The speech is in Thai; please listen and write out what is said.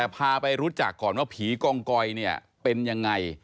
พาไปรู้จักก่อนว่าผีกองกอยเนี่ยเป็นยังไง